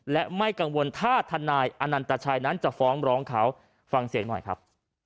และไม่กังวลถ้าทนายอนันตชัยนั้นจะฟ้องร้องเขาฟังเสียงหน่อยครับ